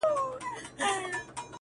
که يې منې زيارت ته راسه زما واده دی گلي؛